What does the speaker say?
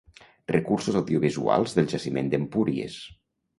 Recursos audiovisuals del Jaciment d'Empúries.